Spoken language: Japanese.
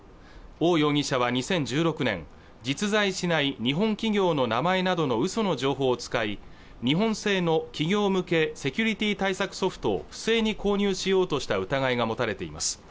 王容疑者は２０１６年実在しない日本企業の名前などの嘘の情報を使い日本製の企業向けセキュリティ対策ソフトを不正に購入しようとした疑いが持たれています